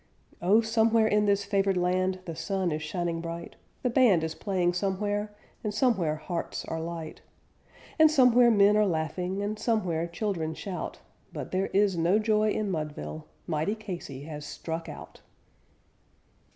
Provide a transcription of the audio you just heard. Oh, somewhere in this favoured land the sun is shining bright, The band is playing somewhere, and somewhere hearts are light, And somewhere men are laughing, and somewhere children shout; But there is no joy in Mudville mighty Casey has struck out.